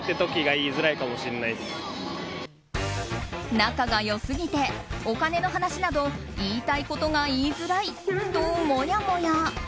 仲が良すぎて、お金の話など言いたいことが言いづらいともやもや。